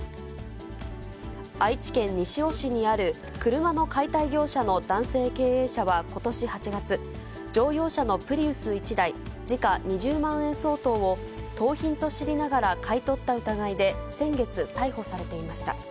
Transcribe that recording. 愛知県西尾市にある、車の解体業者の男性経営者はことし８月、乗用車のプリウス１台、時価２０万円相当を、盗品と知りながら買い取った疑いで先月、逮捕されていました。